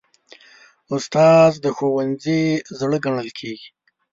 استاد د ښوونځي زړه ګڼل کېږي.